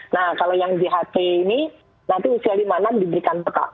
nah kalau yang jht ini nanti usia lima puluh enam diberikan pk